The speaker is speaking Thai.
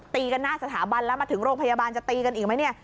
ตีกันหน้าสถาบันแล้วมาถึงโรงพยาบาลจะตีกันอีกไหมเนี่ย